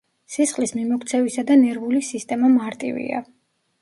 სისხლის მიმოქცევისა და ნერვული სისტემა მარტივია.